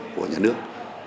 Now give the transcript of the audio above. của nhà nước